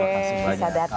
terima kasih banyak